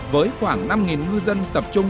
với khoảng năm ngư dân tập trung